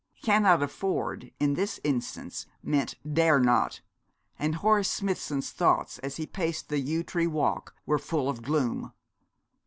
'Cannot afford' in this instance meant 'dare not,' and Horace Smithson's thoughts as he paced the yew tree walk were full of gloom.